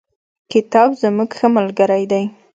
کتاب زموږ ښه ملگری دی.